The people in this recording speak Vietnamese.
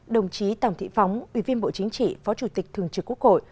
đồng chí tòng thị phóng ủy viên bộ chính trị phó chủ tịch thường trực quốc hội